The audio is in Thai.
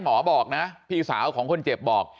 บอกนะพี่สาวของคนเจ็บบอก